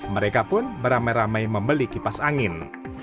mereka pun beramai ramai membeli kipas angin